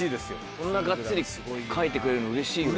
こんながっつり描いてくれるのうれしいよね。